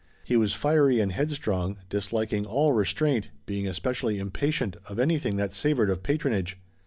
He was fiery and headstrong, disliking all restraint, being especially impatient of anything that savored of patronage.